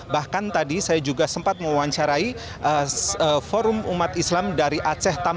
bahkan tadi saya juga sempat mewawancarai forum umat islam dari aceh